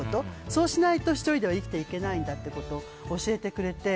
そうしないと１人では生きていけないんだということを教えてくれて。